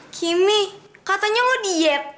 kimi katanya lo diet